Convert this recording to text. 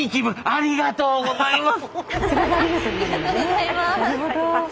ありがとうございます。